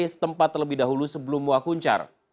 setempat terlebih dahulu sebelum wakuncar